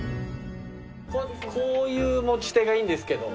こういう持ち手がいいんですけど。